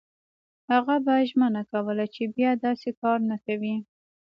هغه به ژمنه کوله چې بیا داسې کار نه کوي.